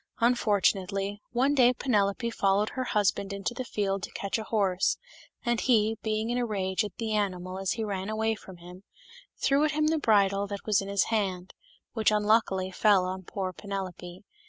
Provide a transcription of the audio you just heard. Unfortunately, one day Penelope followed her husband into the field to catch a horse, and he, being in a rage at the animal as he ran away from him, threw at him the bridle that was in his hand, which unluckily fell on poor Penelope.